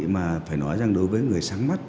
mà phải nói rằng đối với người sáng mắt